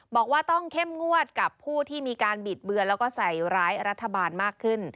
บอกว่าต้องเข้มงวดกับผู้ที่มีการบิดเบือนแล้วก็ใส่ร้ายรัฐบาลมากขึ้น